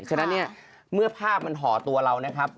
ฉะนั้นเนี่ยเมื่อภาพมันห่อตัวเรานะครับ